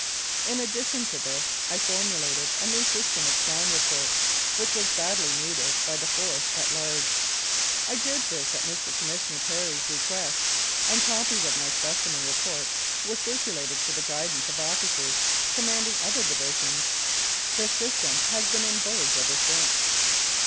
In addition to this, I formulated a new system of crime reports, which was badly needed by the Force at large. I did this at Mr. Commissioner Perry's request, and copies of my specimen reports were circulated for the guidance of officers commanding other divisions. This system has been in vogue ever since.